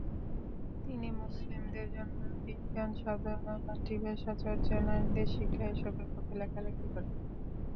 তিনি মুসলিমদের জন্যে বিজ্ঞানসাধনা, মাতৃভাষাচর্চা, নারীদের শিক্ষা এসবের পক্ষে লেখালেখি করেন।